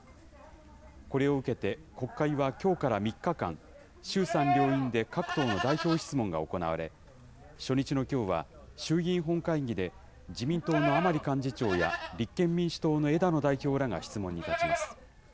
これを受けて、国会はきょうから３日間、衆参両院で各党の代表質問が行われ、初日のきょうは、衆議院本会議で、自民党の甘利幹事長や立憲民主党の枝野代表らが質問に立ちます。